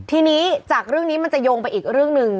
ทีนี้จากเรื่องนี้มันจะโยงไปอีกเรื่องหนึ่ง